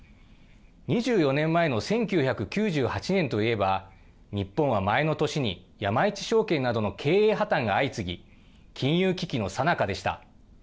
２４年前の１９９８年といえば、日本は前の年に山一証券などの経営破綻が相次ぎ、金融危機のさなかでした。